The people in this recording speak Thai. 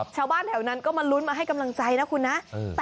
ชาวบ้านแถวนั้นก็มาลุ้นมาให้กำลังใจนะคุณนะ